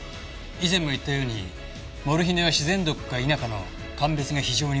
以前も言ったようにモルヒネは自然毒か否かの鑑別が非常に難しいんです。